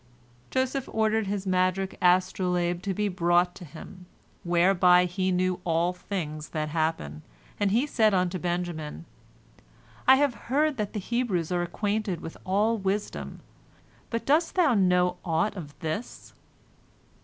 " Joseph ordered his magic astrolabe to be brought to him, whereby he knew all things that happen, and he said unto Benjamin, "I have heard that the Hebrews are acquainted with all wisdom, but dost thou know aught of this?"